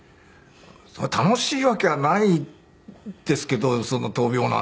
そりゃ楽しいわけはないですけど闘病なんて。